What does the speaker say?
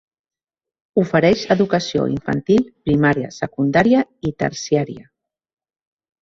Ofereix educació infantil, primària, secundària i terciària.